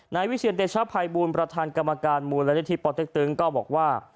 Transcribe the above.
นายวิเศียรเตชภัยบูรณ์ประธานกรรมการมูลละอิทธิปรติกตึงก็บอกว่า